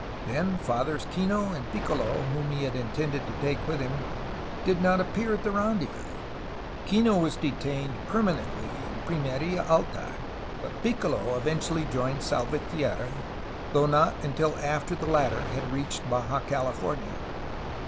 Then Fathers Kino and Piccolo, whom he had intended to take with him, did not appear at the rendezvous; Kino was detained permanently in Pimerfa Alta, but Piccolo eventually joined Salvatierra, though not until after the latter had reached Baja California.